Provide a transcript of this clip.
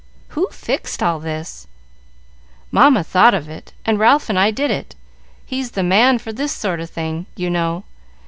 "Who fixed all this?" "Mamma thought of it, and Ralph and I did it. He's the man for this sort of thing, you know.